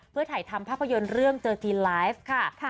เพื่อถ่ายทำภาพยนตร์เรื่องเจอทีไลฟ์ค่ะ